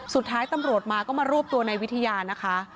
สุดท้ายตำรวจมาก็มารวบตัวในวิทยานะคะ